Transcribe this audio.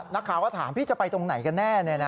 นักข่าวก็ถามพี่จะไปตรงไหนกันแน่